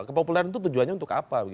kepopuleran itu tujuannya untuk apa